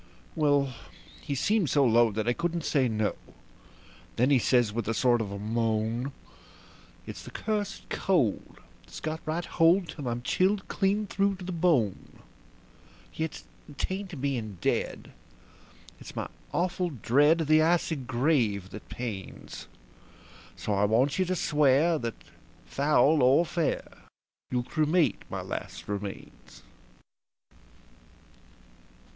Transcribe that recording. Well, he seemed so low that I couldn't say no; then he says with a sort of moan: "It's the cursed cold, and it's got right hold till I'm chilled clean through to the bone. Yet 'tain't being dead it's my awful dread of the icy grave that pains; So I want you to swear that, foul or fair, you'll cremate my last remains."